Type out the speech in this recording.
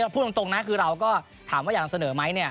พูดตรงนะคือเราก็ถามว่าอยากนำเสนอไหม